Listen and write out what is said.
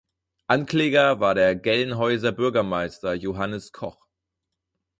Ankläger war der Gelnhäuser Bürgermeister Johannes Koch.